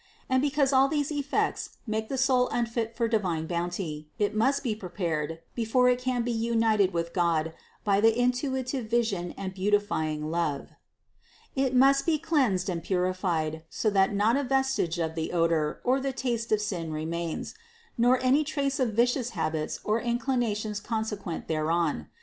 And because all these effects make the soul unfit for divine bounty, it must be prepared before it can be united with God by the intuitive vision and beautifying love. It must be cleansed and purified, so that not a vestige of the odor, or the taste of sin remains, nor any traces of vicious habits or in clinations consequent thereon.